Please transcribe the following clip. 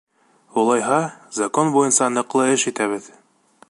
«Улайһа, закон буйынса ныҡлы эш итәбеҙ».